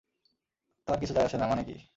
তার কিছু যায় আসে না, মানে কি।